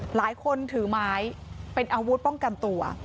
หลายคนถือไม้เป็นอาวุธป้องกันตัว